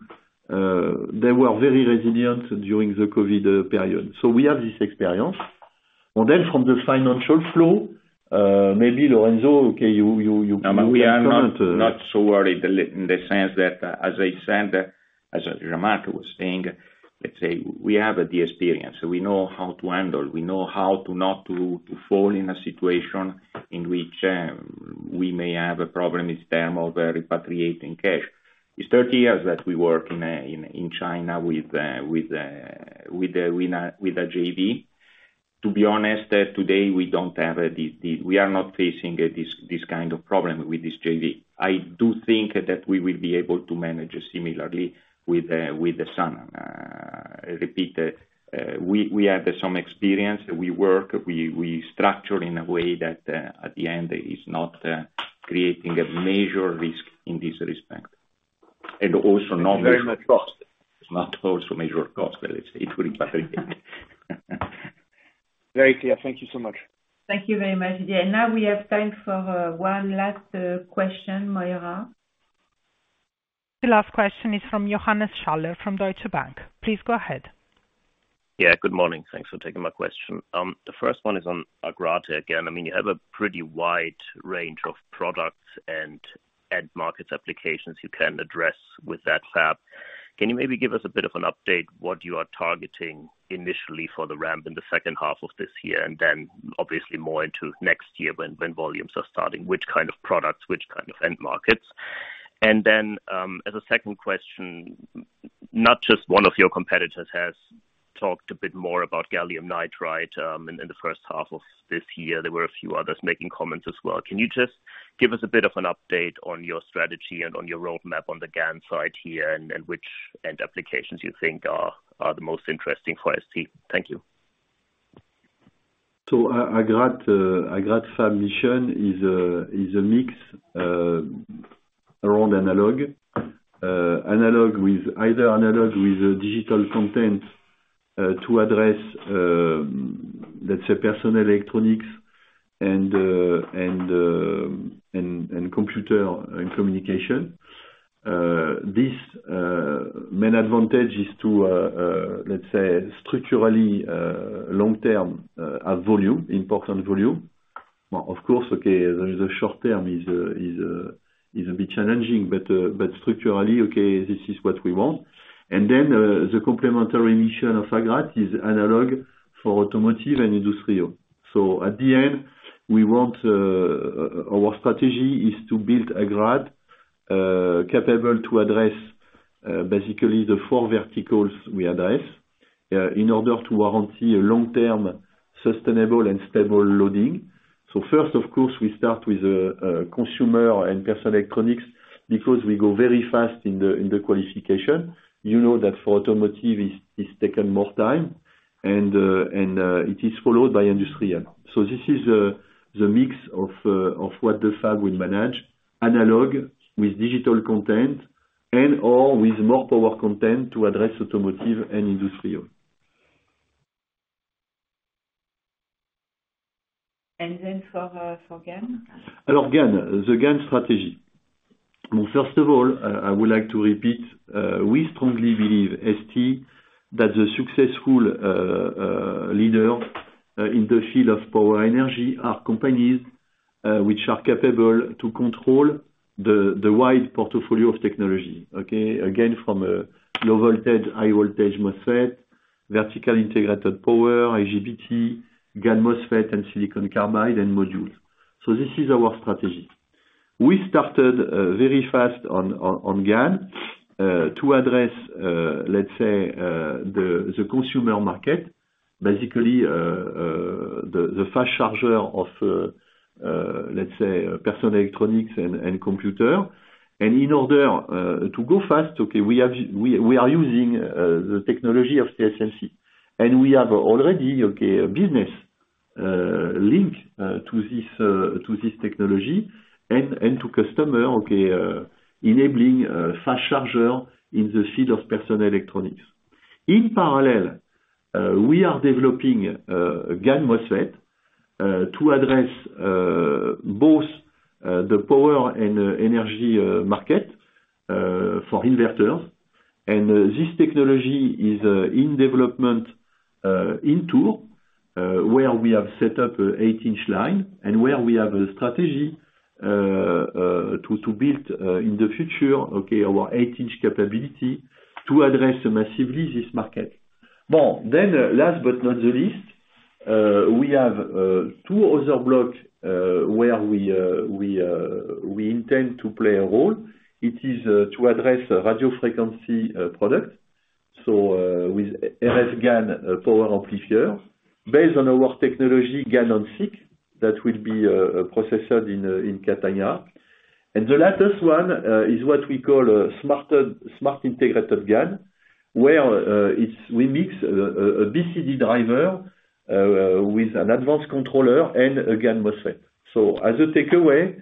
They were very resilient during the COVID period. We have this experience. From the financial flow, maybe Lorenzo, okay, you... We are not so worried in the sense that, as I said, as Marco was saying, let's say, we have the experience. We know how to handle, we know how to not to fall in a situation in which we may have a problem with them over repatriating cash. It's 30 years that we work in China with a JV. To be honest, today, we don't have the-- we are not facing this kind of problem with this JV. I do think that we will be able to manage it similarly with Sanan. I repeat, we have some experience, we work, we structure in a way that at the end, is not creating a major risk in this respect. Also not- Thank you very much. It's not also major cost, let's say, it will impact. Very clear. Thank you so much. Thank you very much. Yeah, now we have time for one last question, Moira. The last question is from Johannes Schaller, from Deutsche Bank. Please go ahead. Yeah, good morning. Thanks for taking my question. The first one is on Agrate again. I mean, you have a pretty wide range of products and end market applications you can address with that fab. Can you maybe give us a bit of an update, what you are targeting initially for the ramp in the second half of this year? Then obviously more into next year, when volumes are starting, which kind of products, which kind of end markets? Then, as a second question, not just one of your competitors has talked a bit more about gallium nitride in the first half of this year. There were a few others making comments as well. Can you just give us a bit of an update on your strategy and on your roadmap on the GaN side here, and which end applications you think are the most interesting for ST? Thank you. Agrate fab mission is a mix around analog. Analog with, either analog with digital content, to address, let's say, personal electronics and computer and communication. This main advantage is to, let's say, structurally, long-term, have volume, important volume. Well, of course, okay, the short term is a bit challenging, but structurally, okay, this is what we want. The complementary mission of Agrate, is analog for automotive and industrial. At the end, we want. Our strategy is to build Agrate, capable to address, basically the four verticals we address, in order to guarantee a long-term, sustainable and stable loading. First, of course, we start with consumer and personal electronics, because we go very fast in the qualification. You know that for automotive, it's taken more time, and it is followed by industrial. This is the mix of what the fab will manage: analog with digital content, and/or with more power content, to address automotive and industrial. Then for GaN? For GaN. The GaN strategy. Well, first of all, I would like to repeat, we strongly believe, ST, that the successful leader in the field of power energy, are companies which are capable to control the wide portfolio of technology, okay. Again, from a low voltage, high voltage MOSFET, vertical integrated power, IGBT, GaN MOSFET, and Silicon Carbide and module. This is our strategy. We started very fast on GaN to address, let's say, the consumer market. Basically, the fast charger of, let's say, personal electronics and computer. In order to go fast, okay, we are using the technology of the TSMC, and we have already, okay, a business.... link to this technology and to customer, okay, enabling fast charger in the field of personal electronics. In parallel, we are developing GaN MOSFET to address both the power and energy market for inverters. This technology is in development in Tours, where we have set up an 8-inch line, and where we have a strategy to build in the future, okay, our 8-inch capability to address massively this market. Last but not the least, we have two other blocks where we intend to play a role. It is to address radio frequency products. With RF GaN power amplifier, based on our technology, GaN-on-SiC, that will be processed in Catania. The latest one is what we call a smart integrated GaN, where it's we mix a BCD driver with an advanced controller and a GaN MOSFET. As a takeaway,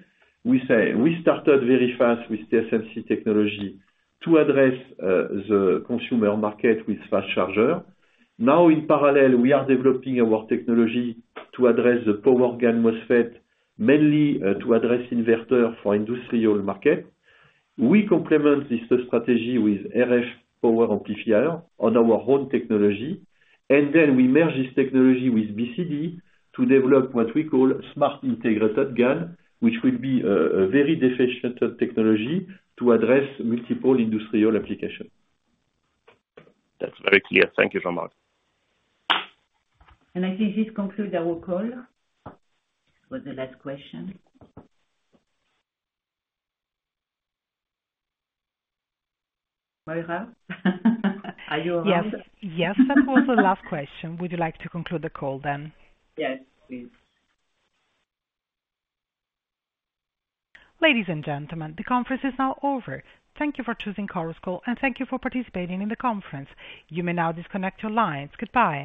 we say we started very fast with TSMC technology to address the consumer market with fast charger. In parallel, we are developing our technology to address the power GaN MOSFET, mainly to address inverter for industrial market. We complement this strategy with RF power amplifier on our own technology, and then we merge this technology with BCD to develop what we call smart integrated GaN, which will be a very deficient technology to address multiple industrial application. That's very clear. Thank you, Jean-Marc. I think this conclude our call, with the last question. Moira? Are you around? Yes. Yes, that was the last question. Would you like to conclude the call then? Yes, please. Ladies and gentlemen, the conference is now over. Thank you for choosing Chorus Call, and thank you for participating in the conference. You may now disconnect your lines. Goodbye.